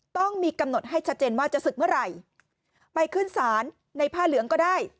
ต้องมีกำหนดให้ชัดเจนว่าจะศึกเมื่อไหร่ไปขึ้นศาลในผ้าเหลืองก็ได้